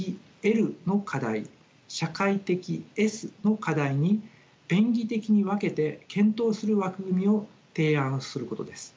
社会的の課題に便宜的に分けて検討する枠組みを提案することです。